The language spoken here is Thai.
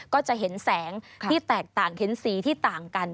ก็จะเห็นแสงที่แตกต่างเห็นสีที่ต่างกัน